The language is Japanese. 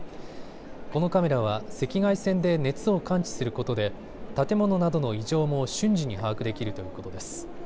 このカメラは赤外線で熱を感知することで建物などの異常も瞬時に把握できるということです。